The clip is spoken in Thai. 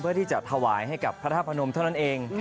เพื่อที่จะถวายให้กับพระธาตุพนมเท่านั้นเอง